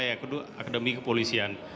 yakni akademi kepolisian